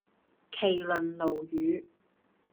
麒麟鱸魚